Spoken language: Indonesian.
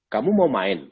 kamu mau main